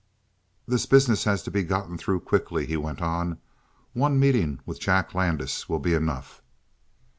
"This business has to be gotten through quickly," he went on. "One meeting with Jack Landis will be enough."